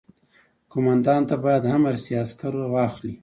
قوماندان ته باید امر شي عسکر واخلي.